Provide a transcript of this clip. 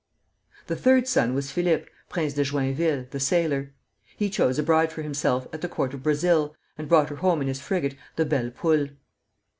The third son was Philippe, Prince de Joinville, the sailor. He chose a bride for himself at the court of Brazil, and brought her home in his frigate, the "Belle Poule."